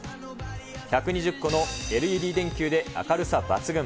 １２０個のＬＥＤ電球で明るさ抜群。